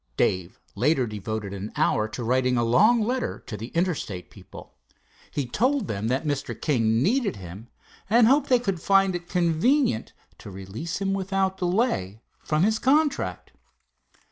Dave, later, devoted an hour to writing a long letter to the Interstate people. He told them that Mr. King needed him, and hoped they could find it convenient to release him without delay from his contract.